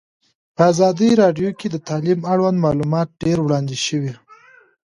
په ازادي راډیو کې د تعلیم اړوند معلومات ډېر وړاندې شوي.